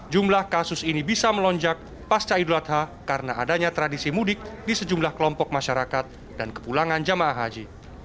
jumlah kasus ini bisa melonjak pasca idul adha karena adanya tradisi mudik di sejumlah kelompok masyarakat dan kepulangan jamaah haji